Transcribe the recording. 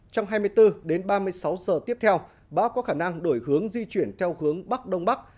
trong hai mươi bốn đến ba mươi sáu giờ tiếp theo bão có khả năng đổi hướng di chuyển theo hướng bắc đông bắc